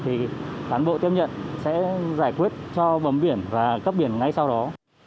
thì cán bộ tiếp nhận sẽ giải quyết cho bấm biển và cấp biển ngay sau đó